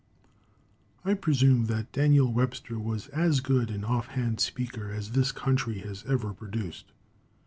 I presume that Daniel Webster was as good an off hand speaker as this country has ever produced.